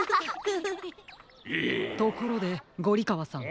ところでゴリかわさん。